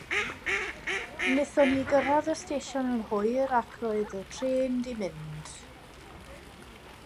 Nathon ni gyrraedd yr y stesion yn hwyr ac roedd y trên 'di mynd.